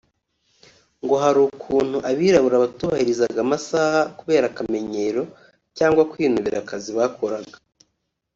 Ngo hari ukuntu abirabura batubahirizaga amasaha kubera akamenyero cyangwa kwinubira akazi bakoraga